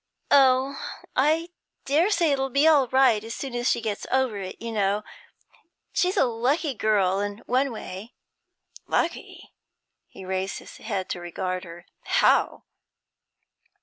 'Oh, I daresay it 'll be all right as soon as she gets over it, you know. She's a lucky girl, in one way.' 'Lucky?' He raised his head to regard her. 'How?'